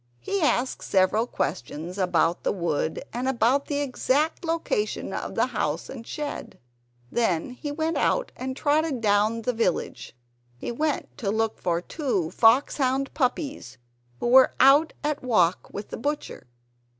He asked several questions about the wood and about the exact position of the house and shed. Then he went out, and trotted down the village. He went to look for two foxhound puppies who were out at walk with the butcher.